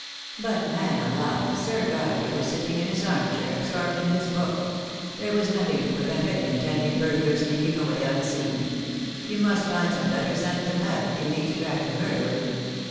"But, man alive, Sir Godfrey was sitting in his arm chair, absorbed in his book. There was nothing to pre vent any intending burglar sneaking away unseen. You must find some better scent than that if you mean to track the murderer."